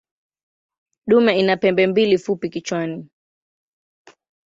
Dume ina pembe mbili fupi kichwani.